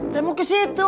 ya mau ke situ